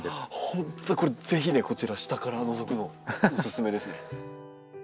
本当これぜひねこちら下からのぞくのがおすすめですね。